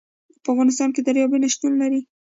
په افغانستان کې دریابونه شتون لري.